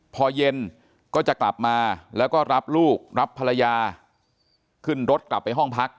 พอเย็นก็จะกลับมาแล้วก็รับลูกรับภรรยาขึ้นรถกลับไปห้องพัก